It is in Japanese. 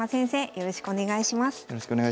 よろしくお願いします。